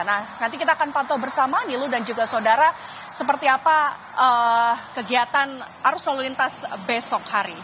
nah nanti kita akan pantau bersama nilu dan juga saudara seperti apa kegiatan arus lalu lintas besok hari